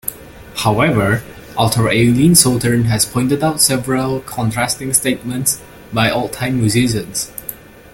However, author Eileen Southern has pointed out several contrasting statements by old-time musicians.